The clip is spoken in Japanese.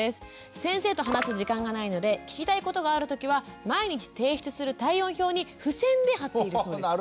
先生と話す時間がないので聞きたいことがある時は毎日提出する体温表に付箋で貼っているそうです。